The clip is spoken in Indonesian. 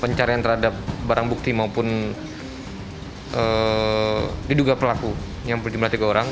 pencarian terhadap barang bukti maupun diduga pelaku yang berjumlah tiga orang